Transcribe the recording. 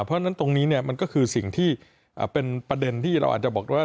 เพราะฉะนั้นตรงนี้เนี่ยมันก็คือสิ่งที่เป็นประเด็นที่เราอาจจะบอกว่า